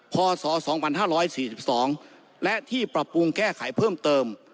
พศ๒๕๔๒และที่ปรับปรุงแก้ไขเพิ่มเติม